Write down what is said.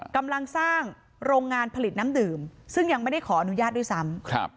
กำลังสร้างโรงงานผลิตน้ำดื่มซึ่งยังไม่ได้ขออนุญาตด้วยซ้ำ